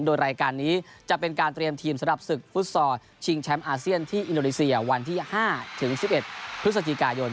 โดยรายการนี้จะเป็นการเตรียมทีมสำหรับศึกฟุตซอลชิงแชมป์อาเซียนที่อินโดนีเซียวันที่๕ถึง๑๑พฤศจิกายน